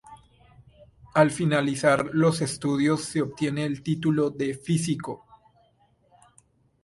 Al finalizar los estudios se obtiene el título de "Físico".